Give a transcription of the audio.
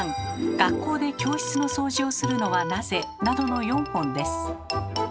「学校で教室の掃除をするのはなぜ？」などの４本です。